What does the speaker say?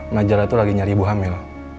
najara itu lagi nyari ibu hamil